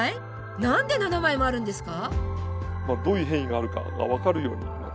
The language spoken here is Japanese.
何で７枚もあるんですか？